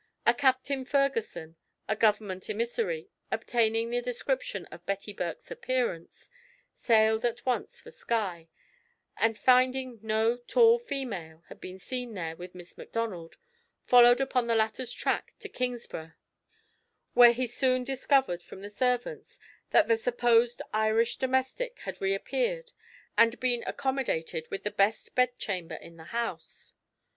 A Captain Ferguson, a Government emissary, obtaining the description of "Betty Burke's" appearance, sailed at once for Skye, and finding no "tall female" had been seen there with Miss Macdonald, followed upon the latter's track to Kingsburgh, where he soon discovered from the servants, that the supposed Irish domestic had reappeared, and been accommodated with the best bedchamber in the house.